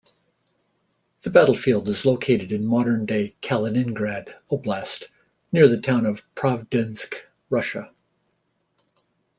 The battlefield is located in modern-day Kaliningrad Oblast, near the town of Pravdinsk, Russia.